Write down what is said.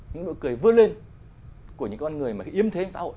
những nụ cười vươn lên của những con người mà yếm thế xã hội